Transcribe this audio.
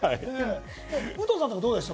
武藤さんとかどうでした？